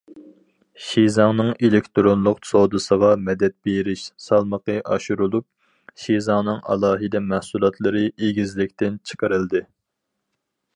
شىزاڭنىڭ ئېلېكتىرونلۇق سودىسىغا مەدەت بېرىش سالمىقى ئاشۇرۇلۇپ، شىزاڭنىڭ ئالاھىدە مەھسۇلاتلىرى ئېگىزلىكتىن چىقىرىلدى.